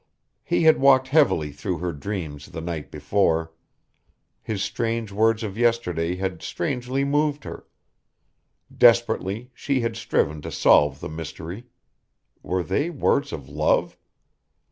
He had walked heavily through her dreams the night before. His strange words of yesterday had strangely moved her. Desperately she had striven to solve the mystery. Were they words of love?